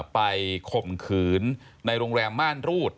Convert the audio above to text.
ข่มขืนในโรงแรมม่านรูด